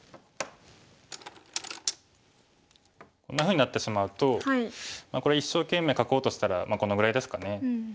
こんなふうになってしまうとこれ一生懸命囲おうとしたらこのぐらいですかね。